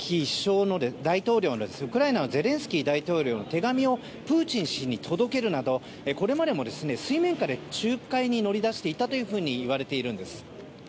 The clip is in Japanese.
ウクライナはゼレンスキー大統領の手紙をプーチン氏に届けるなどこれまでも水面下で仲介に乗り出していたというふうにいわれているんです。